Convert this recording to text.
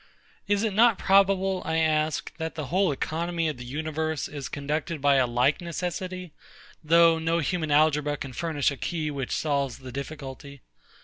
Is it not probable, I ask, that the whole economy of the universe is conducted by a like necessity, though no human algebra can furnish a key which solves the difficulty?